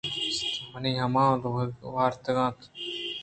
منی مھمان ءَ ورگ وارتگ اَت۔